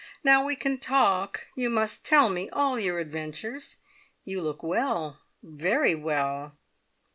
Now we can talk. You must tell me all your adventures. You look well very well!